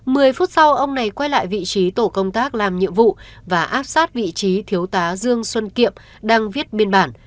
mười phút sau ông này quay lại vị trí tổ công tác làm nhiệm vụ và áp sát vị trí thiếu tá dương xuân kiệm đang viết biên bản